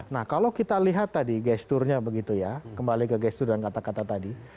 nah kalau kita lihat tadi gesturnya begitu ya kembali ke gestur dan kata kata tadi